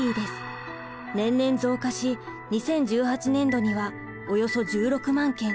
年々増加し２０１８年度にはおよそ１６万件。